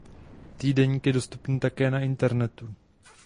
Týdeník je dostupný také na internetu.